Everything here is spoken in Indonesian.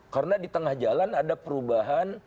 karena di tengah jalan ada perubahan